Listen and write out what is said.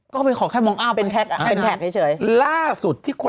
ก็มีของแค่มองอ้าวไป